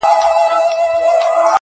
خو له دې بې شرفۍ سره په جنګ یم.